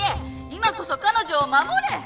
今こそ彼女を守れ！